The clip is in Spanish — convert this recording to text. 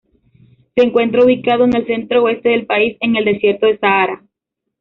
Se encuentra ubicado en el centro-oeste del país, en el desierto del Sahara.